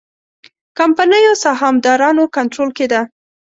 کمپنیو سهامدارانو کنټرول کې ده.